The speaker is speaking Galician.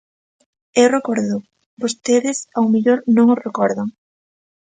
Eu recórdoo, vostedes ao mellor non o recordan.